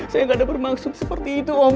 saya ga ada bermaksud seperti itu om